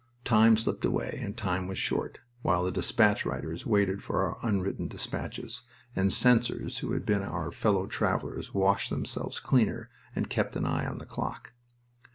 Time slipped away, and time was short, while the despatch riders waited for our unwritten despatches, and censors who had been our fellow travelers washed themselves cleaner and kept an eye on the clock.